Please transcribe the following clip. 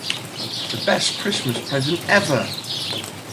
Best Christmas Present Ever!